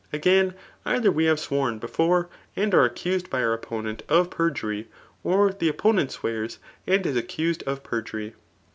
Again, either we have sworn before, and are accused by our opponent (^ per* jury, or the opponent swears and is accused of per* jury.